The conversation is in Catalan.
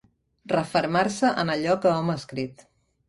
Refermar-se en allò que hom ha escrit.